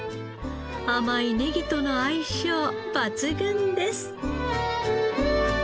甘いネギとの相性抜群です。